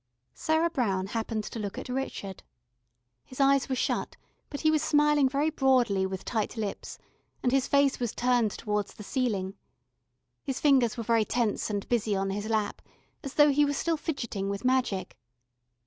Sarah Brown happened to look at Richard. His eyes were shut, but he was smiling very broadly with tight lips, and his face was turned towards the ceiling. His fingers were very tense and busy on his lap, as though he were still fidgeting with magic.